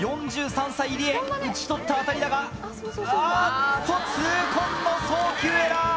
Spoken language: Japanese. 打ち取った当たりだがあっと痛恨の送球エラー！